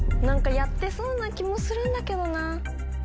やってそうな気もするんだけどな。